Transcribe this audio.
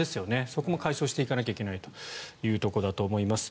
そこも解消していかないといけないということだと思います。